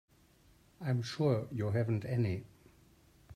I'm sure you haven't any.